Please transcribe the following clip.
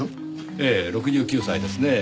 ええ６９歳ですねぇ。